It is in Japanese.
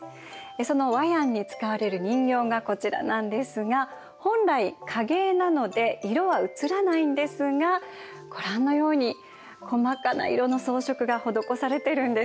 そのワヤンに使われる人形がこちらなんですが本来影絵なので色は写らないんですがご覧のように細かな色の装飾が施されてるんです。